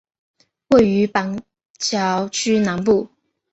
位于板桥区南部。